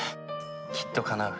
きっとかなう。